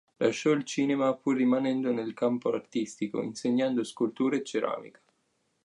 Lasciò il cinema, pur rimanendo nel campo artistico, insegnando scultura e ceramica.